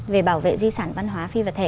về bảo vệ di sản văn hóa phi vật thể